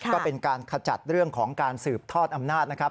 ก็เป็นการขจัดเรื่องของการสืบทอดอำนาจนะครับ